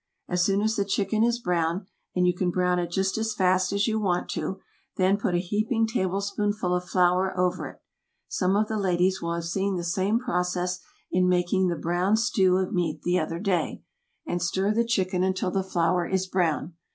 As soon as the chicken is brown, and you can brown it just as fast as you want to, then put a heaping tablespoonful of flour over it some of the ladies will have seen the same process in making the brown stew of meat the other day and stir the chicken until the flour is brown.